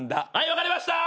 分かりました！